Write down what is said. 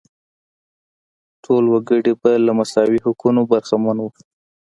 ټول وګړي به له مساوي حقونو برخمن وو.